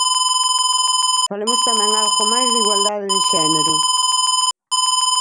Falemos tamén algo máis de igualdade de xénero.